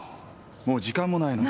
もう時間もないのに。